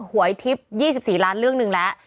หวยทิพย์๒๔ล้านเรื่องหนึ่งแล้ว